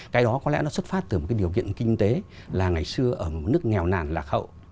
cái đó có lẽ nó xuất phát từ một cái điều kiện kinh tế là ngày xưa ở một nước nghèo nàn lạc hậu